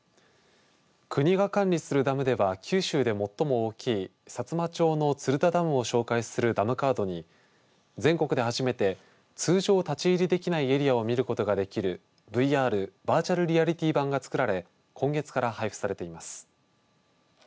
国が管理するダムでは九州で最も大きいさつま町の鶴田ダムを紹介するダムカードに全国で初めて通常、立ち入りできないエリアを見ることができるＶＲバーチャルリアリティー版が作られ今月から配布されています。